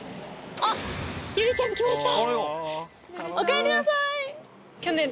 あっゆりちゃん来ました。